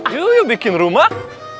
jauh jauh bikin rumah